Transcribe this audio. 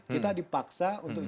kita dipaksa untuk